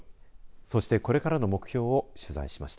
そしてこれからの目標を取材しました。